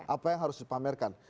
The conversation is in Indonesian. apa yang harus dipamerkan